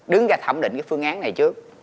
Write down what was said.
đứng ra thẩm định cái phương án này trước